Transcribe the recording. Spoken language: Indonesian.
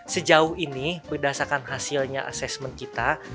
sejauh ini berdasarkan hasilnya asesmen kita